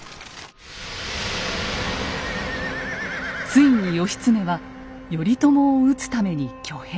ついに義経は頼朝を討つために挙兵。